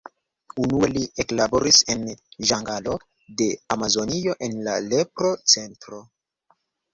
Unue li eklaboris en ĝangalo de Amazonio en la lepro-centro.